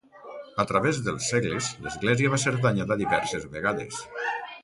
A través dels segles, l'església va ser danyada diverses vegades.